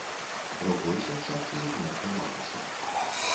Другой сенсацыі не атрымалася.